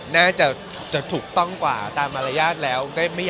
น่าจะถูกต้องกว่าตามมารยาทแล้ว